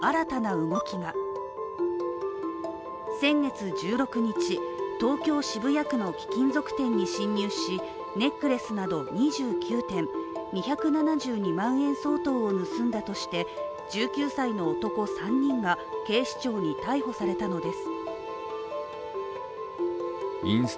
先月１６日、東京・渋谷区の貴金属店に侵入しネックレスなど２９点、２７２万円相当を盗んだとして１９歳の男３人が警視庁に逮捕されたのです。